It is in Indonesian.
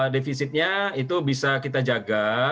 defisitnya itu bisa kita jaga